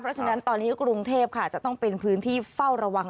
เพราะฉะนั้นตอนนี้กรุงเทพค่ะจะต้องเป็นพื้นที่เฝ้าระวัง